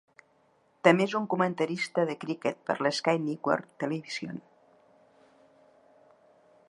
També és un comentarista de criquet per a l'Sky Network Television.